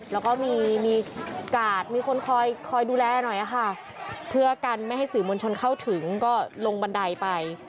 แล้วก็มีกาดมีคนคอยดูแลหน่อยค่ะเพื่อกันไม่ให้สื่อมวลชนเข้าถึงก็ลงบันไดไป